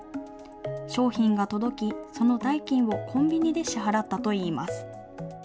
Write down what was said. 商品が届き、その代金をコンビニで支払ったといいます。